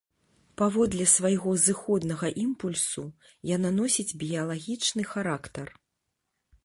Паводле свайго зыходнага імпульсу яна носіць біялагічны характар.